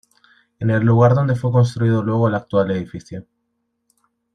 En el lugar donde fue construido luego el actual edificio.